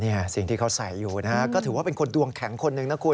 นี่สิ่งที่เขาใส่อยู่นะฮะก็ถือว่าเป็นคนดวงแข็งคนหนึ่งนะคุณ